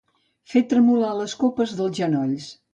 Fer tremolar les copes dels genolls.